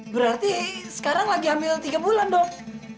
berarti sekarang lagi hamil tiga bulan dok